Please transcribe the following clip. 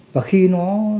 và khi nó